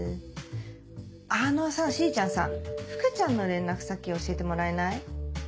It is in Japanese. あのさしーちゃんさ福ちゃんの連絡先教えてもらえない？